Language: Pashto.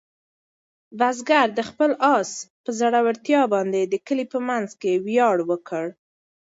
بزګر د خپل آس په زړورتیا باندې د کلي په منځ کې ویاړ وکړ.